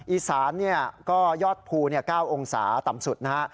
อีสานก็ยอดภู๙องศาต่ำสุดนะฮะ